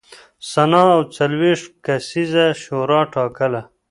سنا او څلوېښت کسیزه شورا ټاکله